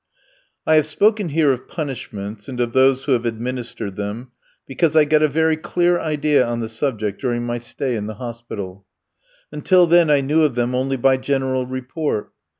I have spoken here of punishments and of those who have administered them, because I got a very clear idea on the subject during my stay in the hospital. Until then I knew of them only by general report.